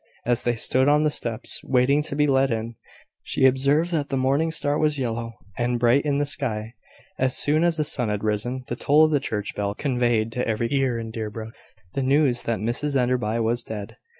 As they stood on the steps, waiting to be let in, she observed that the morning star was yellow and bright in the sky. As soon as the sun had risen, the toll of the church bell conveyed to every ear in Deerbrook the news that Mrs Enderby was dead.